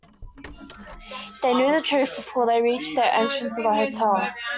They knew the truth before they reached the entrance of the hotel.